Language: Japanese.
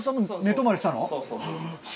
そうそう。